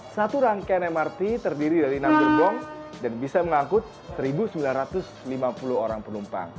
satu rangkaian mrt terdiri dari enam gerbong dan bisa mengangkut satu sembilan ratus lima puluh orang penumpang